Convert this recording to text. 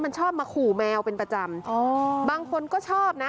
มันชอบมาขู่แมวเป็นประจำอ๋อบางคนก็ชอบนะ